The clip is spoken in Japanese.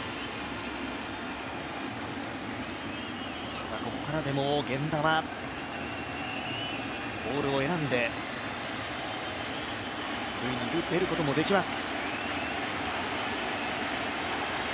ただ、ここからでも源田はボールを選んで塁に出ることもできます。